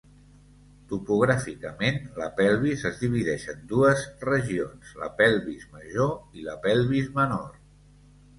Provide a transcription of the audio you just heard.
Topogràficament, la pelvis es divideix en dues regions: la pelvis major i la pelvis menor.